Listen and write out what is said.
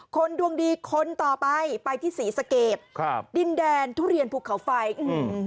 คนดวงดีคนต่อไปไปที่ศรีสะเกดครับดินแดนทุเรียนภูเขาไฟอืม